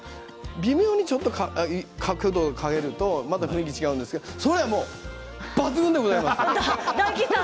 微妙に角度を変えるとまた雰囲気が違うんですけどもう抜群でございます。